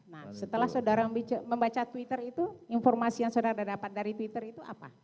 nah setelah saudara membaca twitter itu informasi yang saudara dapat dari twitter itu apa